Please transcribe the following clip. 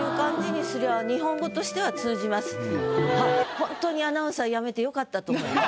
ほんとにアナウンサー辞めて良かったと思います。